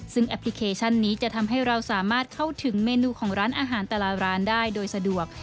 ซึ่งแอปพลิเคชันนี้จะทำให้เราสามารถเข้าถึงเมนูของร้านอาหารแต่ละร้านได้โดยสะดวก